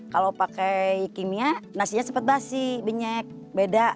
kalau pakai kimia nasinya cepat basi binyek beda